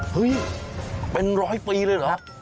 เฮ้ยเป็นร้อยปีเลยเหรอ